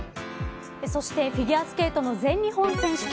そしてフィギュアスケートの全日本選手権。